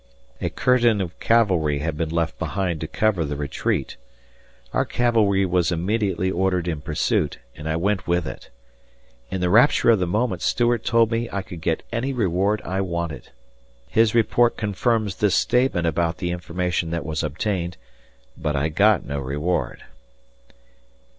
A curtain of cavalry had been left behind to cover the retreat. Our cavalry was immediately ordered in pursuit, and I went with it. In the rapture of the moment Stuart told me I could get any reward I wanted. His report confirms this statement about the information that was obtained but I got no reward.